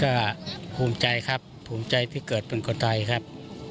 ก็ภูมิใจครับภูมิใจที่เกิดเป็นคนไทยครับ